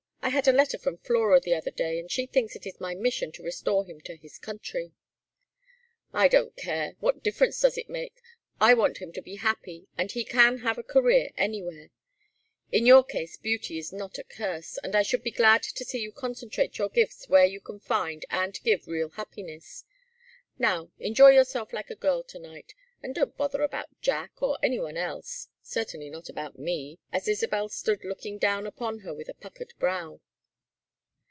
"I had a letter from Flora the other day, and she thinks it is my mission to restore him to his country." "I don't care. What difference does it make? I want him to be happy, and he can have a career anywhere. In your case beauty is not a curse, and I should be glad to see you concentrate your gifts where you can find and give real happiness. Now, enjoy yourself like a girl to night and don't bother about Jack or any one else certainly not about me," as Isabel stood looking down upon her with a puckered brow.